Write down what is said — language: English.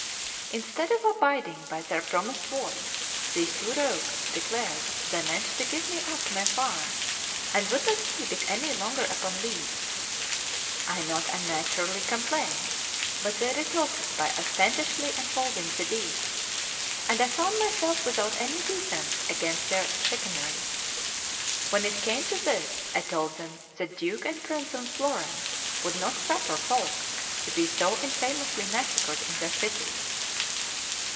Instead of abiding by their promised word, those two rogues declared they meant to give me up my farm, and would not keep it any longer upon lease. I not unnaturally complained, but they retorted by ostentatiously unfolding the deed; and I found myself without any defense against their chicanery. When it came to this, I told them that Duke and Prince of Florence would not suffer folk to be so infamously massacred in their cities.